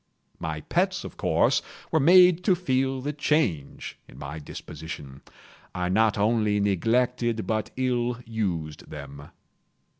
My pets, of course, were made to feel the change in my disposition. I not only neglected, but ill used them.